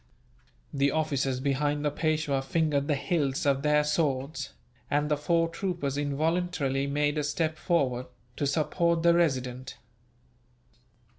The officers behind the Peishwa fingered the hilts of their swords, and the four troopers involuntarily made a step forward, to support the Resident.